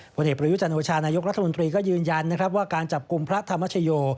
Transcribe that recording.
ผลเอกประยุจันโอชานายกรัฐมนตรีก็ยืนยันนะครับว่าการจับกลุ่มพระธรรมชโย